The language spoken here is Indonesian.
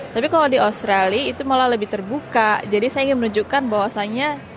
tapi kalau di australia itu malah lebih terbuka jadi saya ingin menunjukkan bahwasannya